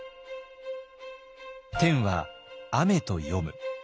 「天」は「アメ」と読む。